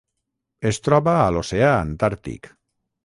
Es troba a l'oceà Antàrtic.